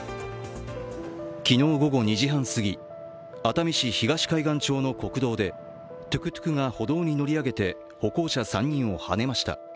昨日午後２時半すぎ熱海市東海岸町の国道でトゥクトゥクが歩道に乗り上げて歩行者３人をはねました。